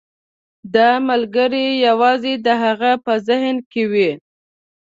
دا ملګری یوازې د هغه په ذهن کې وي.